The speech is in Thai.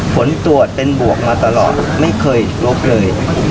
ผลตรวจเป็นบวกมาตลอดไม่เคยลบเลย